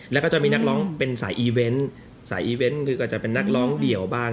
แล้วก็จะมีนักร้องเป็นสายอีเวนต์สายอีเวนต์คือก็จะเป็นนักร้องเดี่ยวบ้าง